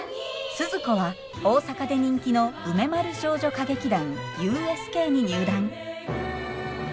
スズ子は大阪で人気の梅丸少女歌劇団ＵＳＫに入団。